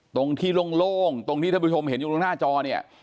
ตรงที่โล่งตรงที่ท่านผู้ชมเห็นอยู่ตรงหน้าจอเนี่ย